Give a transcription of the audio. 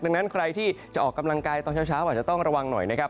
ดังนั้นใครที่จะออกกำลังกายตอนเช้าอาจจะต้องระวังหน่อยนะครับ